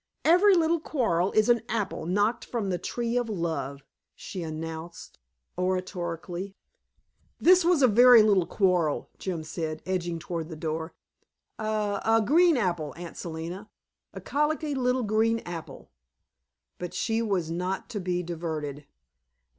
"Every little quarrel is an apple knocked from the tree of love," she announced oratorically. "This was a very little quarrel," Jim said, edging toward the door; "a a green apple, Aunt Selina, a colicky little green apple." But she was not to be diverted.